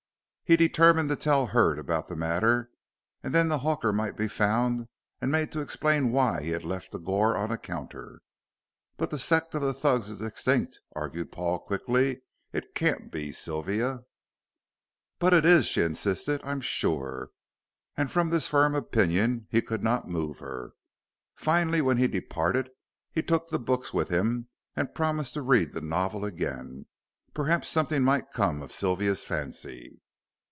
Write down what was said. He determined to tell Hurd about the matter, and then the hawker might be found and made to explain why he had left the goor on the counter. "But the sect of the Thugs is extinct," argued Paul, quickly; "it can't be, Sylvia." "But it is," she insisted, "I'm sure." And from this firm opinion he could not move her. Finally, when he departed, he took the books with him, and promised to read the novel again. Perhaps something might come of Sylvia's fancy.